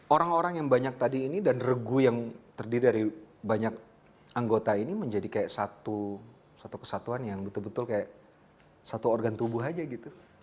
orang orang yang banyak tadi ini dan regu yang terdiri dari banyak anggota ini menjadi kayak satu kesatuan yang betul betul kayak satu organ tubuh aja gitu